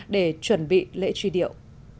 để chuẩn bị lễ truy điệu